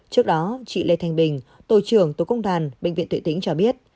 trước đó chị lê thanh bình tổ trưởng tổ công đoàn bệnh viện tự tính cho biết